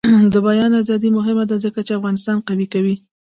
د بیان ازادي مهمه ده ځکه چې افغانستان قوي کوي.